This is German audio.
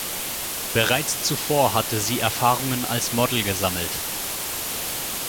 Bereits zuvor hatte sie Erfahrungen als Model gesammelt.